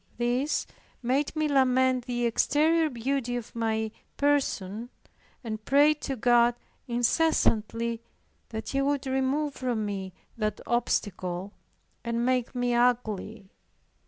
This made me lament the exterior beauty of my person, and pray to God incessantly, that he would remove from me that obstacle, and make me ugly.